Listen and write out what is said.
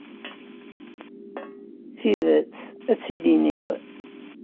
Tidet, ad tt-id-iniɣ.